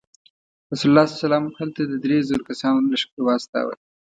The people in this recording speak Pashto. رسول الله هلته د درې زرو کسانو لښکر واستاوه.